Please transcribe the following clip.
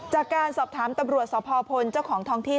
จากการสอบถามตำรวจสพพลเจ้าของท้องที่